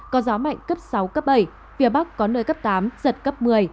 có gió mạnh cấp sáu cấp bảy phía bắc có nơi cấp tám giật cấp một mươi